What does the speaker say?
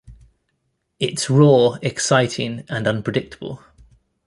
It's raw, exciting and unpredictable.